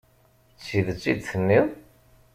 D tidet i d-tenniḍ?